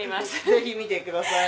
ぜひ見てください。